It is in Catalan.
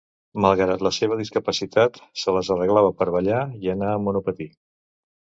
Malgrat la seva discapacitat, se les arreglava per ballar i anar amb monopatí.